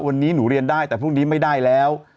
วันนี้หนูเรียนได้แต่พรุ่งนี้ไม่ได้แล้ว